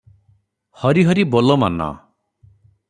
'ହରି ହରି ବୋଲ ମନ' ।